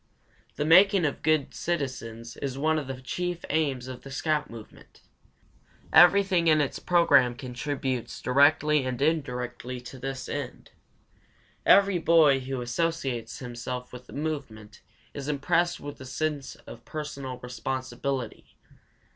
The making of good citizens is one of the chief aims of the scout movement. Everything in its program contributes directly and indirectly to this end. Every boy who associates himself with the movement is impressed with a sense of personal responsibility.